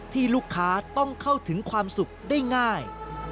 ที่ลูกค้าต้องเข้าถึงความสุขได้ง่าย